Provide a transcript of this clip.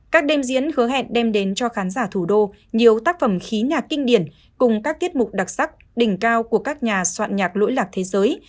các đêm diễn hứa hẹn đem đến cho khán giả thủ đô nhiều tác phẩm khí nhạc kinh điển cùng các tiết mục đặc sắc đỉnh cao của các nhà soạn nhạc lỗi lạc thế giới